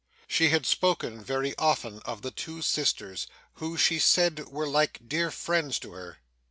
She had spoken very often of the two sisters, who, she said, were like dear friends to her.